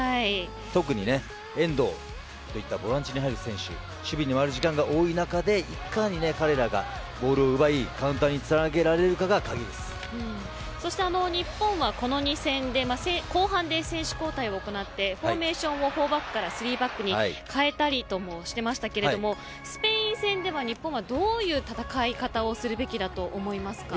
特に、遠藤といったボランチに入る選手守備に追われる時間が多い中でいかに彼らがボールを奪いカウンターにつなげられるかがそして日本はこの２戦で後半で選手交代を行ってフォーメーションを４バックから３バックに変えたりとしていましたけれどもスペイン戦では日本は、どういう戦い方をするべきだと思いますか。